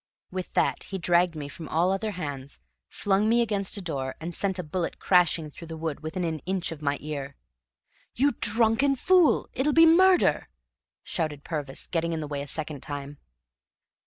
With that he dragged me from all other hands, flung me against a door, and sent a bullet crashing through the wood within an inch of my ear. "You drunken fool! It'll be murder!" shouted Purvis, getting in the way a second time.